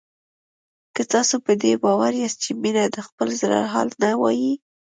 که تاسو په دې باور یاست چې مينه د خپل زړه حال نه وايي